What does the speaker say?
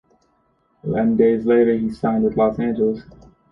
Eleven days later he signed with Los Angeles.